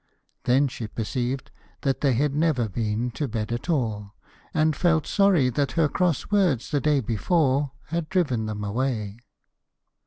Then she perceived that they had never been to bed at all, and felt sorry that her cross words the day before had driven them away.